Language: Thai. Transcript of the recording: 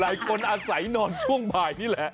หลายคนอาศัยนอนช่วงบ่ายนี่แหละ